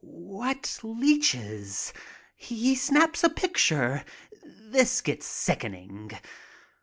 What leeches! He snaps a picture. This gets sickening.